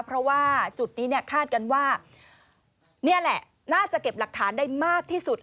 เพราะว่าจุดนี้เนี่ยคาดกันว่านี่แหละน่าจะเก็บหลักฐานได้มากที่สุด